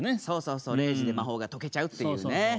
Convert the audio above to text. そうそうそう０時で魔法が解けちゃうっていうね。